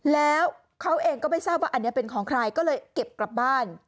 แล้วเขาเองก็ไม่ทราบว่าอันนี้เป็นของใครก็เลยเก็บกลับบ้าน